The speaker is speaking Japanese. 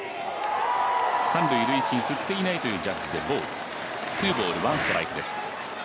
三塁塁審振っていないというジャッジでツーボール、ワンストライクです。